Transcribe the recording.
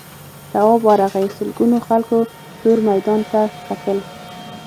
تواب ورغی سلگونو خلکو تور میدان ته کتل.